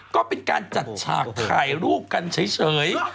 ก็เป็นการจัดฉากถ่ายรูปกันเฉย